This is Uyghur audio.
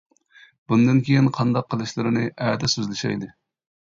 بۇندىن كېيىن قانداق قىلىشلىرىنى ئەتە سۆزلىشەيلى.